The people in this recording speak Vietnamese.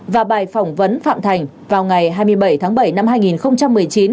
và bài phỏng vấn phạm thành vào ngày hai mươi bảy tháng bảy năm hai nghìn một mươi chín